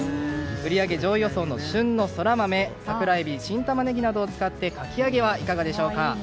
売り上げ上位予想の旬のそら豆などを使ってかき揚げはいかがでしょうか。